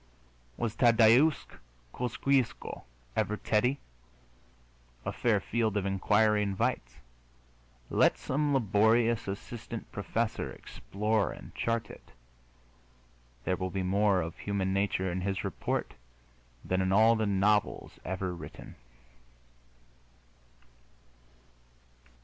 Was Tadeusz Kosciusko ever Teddy? A fair field of inquiry invites. Let some laborious assistant professor explore and chart it. There will be more of human nature in his report than in all the novels ever written.